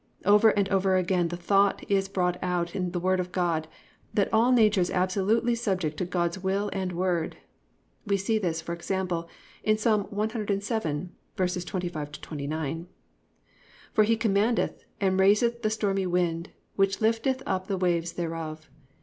Over and over again the thought is brought out in the Word of God that all nature is absolutely subject to God's will and word. We see this, for example, in Ps. 107:25 29: +"For he commandeth, and raiseth the stormy wind, which lifteth up the waves thereof.